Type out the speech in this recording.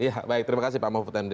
ya baik terima kasih pak mahfud md